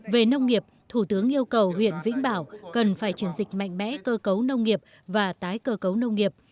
về nông nghiệp thủ tướng yêu cầu huyện vĩnh bảo cần phải chuyển dịch mạnh mẽ cơ cấu nông nghiệp và tái cơ cấu nông nghiệp